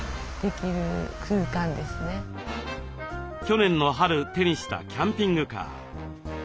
去年の春手にしたキャンピングカー。